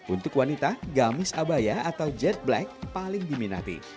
untuk wanita gamis abaya atau jet black paling diminati